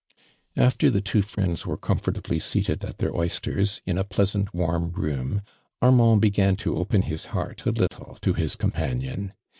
'' After tho two friends were comfortably seated at their oysters, in a pleasant warm room, Armand began to open his licart a httlo to his companion.